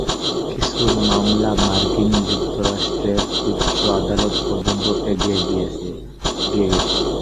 কিছু মামলা মার্কিন যুক্তরাষ্ট্রের উচ্চ আদালত পর্যন্তও এগিয়ে গেছে।